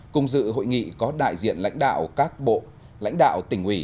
cùng dự hội nghị có đại diện lãnh đạo các bộ lãnh đạo tỉnh ủy